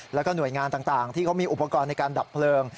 แล้วก็หน่วยงานต่างที่เขามีอุปกรณ์ในการดับเพลิง